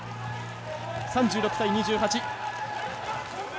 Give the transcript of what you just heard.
３６対２８。